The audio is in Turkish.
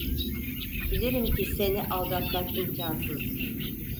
Bilirim ki seni aldatmak imkansızdır.